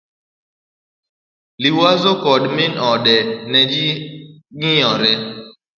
Liwazo koda min ode ne jong'iyore